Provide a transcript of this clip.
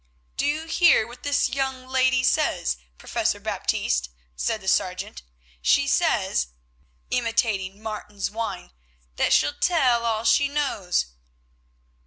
"Do you hear what this young lady says, Professor Baptiste?" said the sergeant. "She says" (imitating Martin's whine) "that she'll tell all she knows."